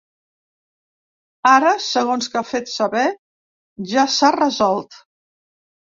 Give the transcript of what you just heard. Ara, segons que ha fet saber, ja s’ha resolt.